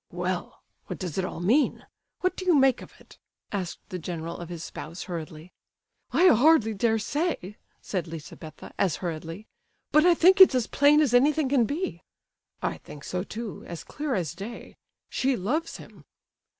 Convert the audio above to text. "Well, what does it all mean? What do you make of it?" asked the general of his spouse, hurriedly. "I hardly dare say," said Lizabetha, as hurriedly, "but I think it's as plain as anything can be." "I think so too, as clear as day; she loves him."